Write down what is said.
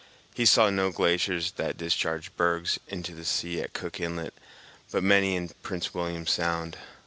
He saw no glaciers that discharged bergs into the sea at Cook Inlet, but many in Prince William Sound.